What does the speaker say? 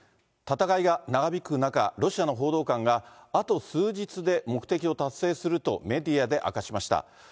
戦いが長引く中、ロシアの報道官が、あと数日で目的を達成するとメディアで明かしました。